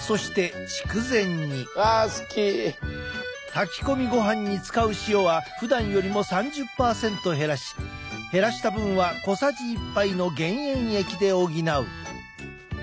炊き込みごはんに使う塩はふだんよりも３０％減らし減らした分は小さじ１杯の減塩液で補う。